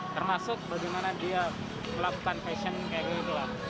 termasuk bagaimana dia melakukan fashion kayak gitu lah